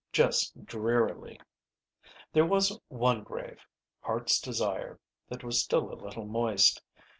Just drearily. There was one grave, Heart's Desire, that was still a little moist.